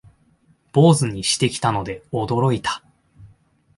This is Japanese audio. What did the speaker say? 坊主にしてきたので驚いた